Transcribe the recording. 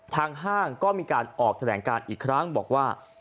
ห้างก็มีการออกแถลงการอีกครั้งบอกว่า